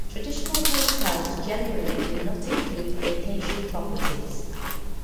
Traditional hotels generally do not include vacation properties.